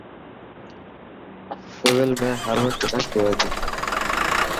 سول ۾ هروقت رش هئي تي.